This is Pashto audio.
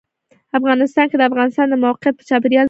افغانستان کې د افغانستان د موقعیت د چاپېریال د تغیر نښه ده.